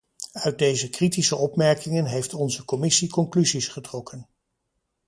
Uit deze kritische opmerkingen heeft onze commissie conclusies getrokken.